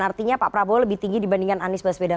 artinya pak prabowo lebih tinggi dibandingkan anies baswedan